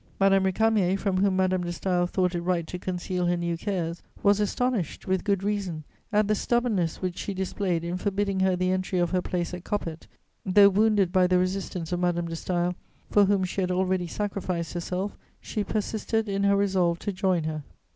Madame Récamier, from whom Madame de Staël thought it right to conceal her new cares, was astonished, with good reason, at the stubbornness which she displayed in forbidding her the entry of her place at Coppet: though wounded by the resistance of Madame de Staël, for whom she had already sacrificed herself, she persisted in her resolve to join her.